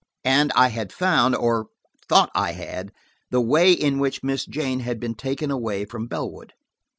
And I had found–or thought I had–the way in which Miss Jane had been taken away from Bellwood.